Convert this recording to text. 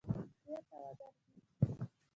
بېرته وګرځېد.